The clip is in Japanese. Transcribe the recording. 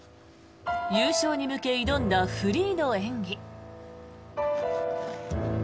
優勝に向け、挑んだフリーの演技。